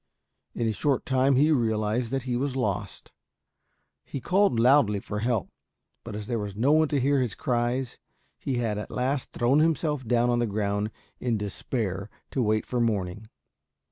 In a short time he realized that he was lost. He called loudly for help, but as there was no one to hear his cries, he had at last thrown himself down on the ground in despair to wait for morning.